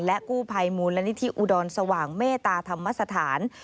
กู้ภัยมูลนิธิอุดรสว่างเมตตาธรรมสถาน